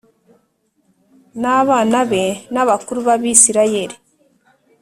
N abana be n abakuru b abisirayeli